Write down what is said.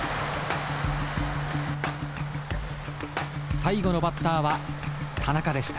最後のバッターは田中でした。